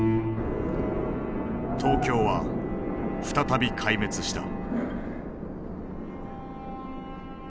東京は再び壊滅した。